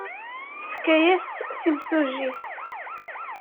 Tefka-as-tt timsujjit.